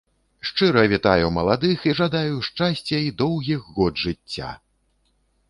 Шчыра вітаю маладых і жадаю шчасця і доўгіх год жыцця!